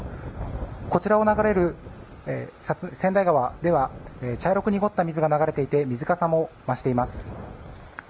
こちらを流れる川内川では茶色く濁った水が流れていて水かさも増しています。